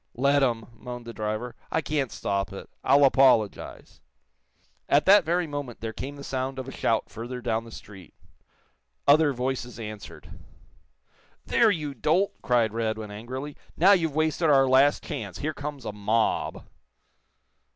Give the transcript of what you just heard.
"Let 'em," moaned the driver. "I can't stop it. I'll apologize." At that very moment there came the sound of a shout further down the street. Other voices answered. "There, you dolt!" cried Radwin, angrily. "Now, you've wasted our last chance. Here comes a mob!"